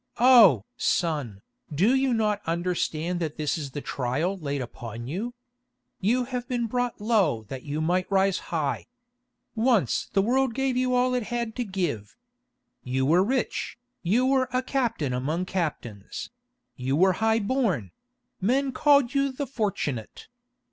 Oh! son, do you not understand that this is the trial laid upon you? You have been brought low that you might rise high. Once the world gave you all it had to give. You were rich, you were a captain among captains; you were high born; men called you 'The Fortunate.